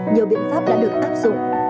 nhiều biện pháp đã được áp dụng